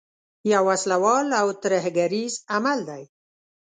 یو وسله وال او ترهګریز عمل دی.